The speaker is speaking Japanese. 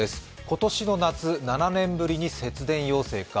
今年の夏、７年ぶりに節電要請か。